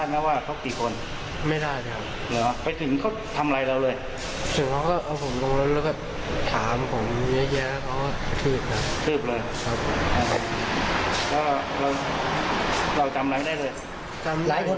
พ่อเขาทำอะไรเสร็จเขาก็ปล่อยผมออกไปกลับบ้าน